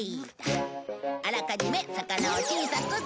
あらかじめ魚を小さくする。